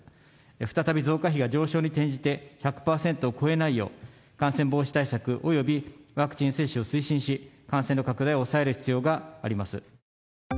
再び増加比が上昇に転じて、１００％を超えないよう、感染防止対策およびワクチン接種を推進し、感染の拡大を抑える必要があります。